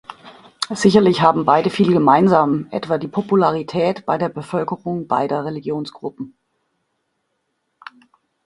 Sicherlich haben beide viel gemeinsam, etwa die Popularität bei der Bevölkerung beider Religionsgruppen.